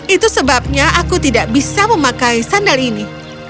itu sebabnya aku tidak bisa memakai sandal ini